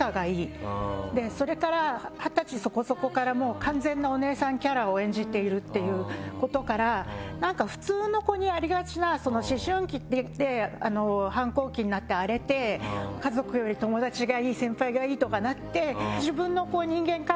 それから二十歳そこそこからもう完全なお姉さんキャラを演じているっていうことからなんか普通の子にありがちな思春期っていって反抗期になって荒れて家族より友達がいい先輩がいいとかなって。